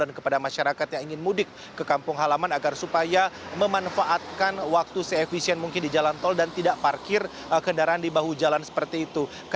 dan kepada masyarakat yang ingin mudik ke kampung halaman agar supaya memanfaatkan waktu se efficient mungkin di jalan tol dan tidak parkir kendaraan di bahu jalan seperti itu